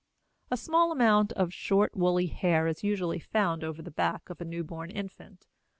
A small amount of short wooly hair is usually found over the back of a newborn infant.